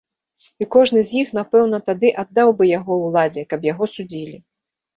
І кожны з іх напэўна тады аддаў бы яго ўладзе, каб яго судзілі.